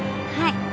はい。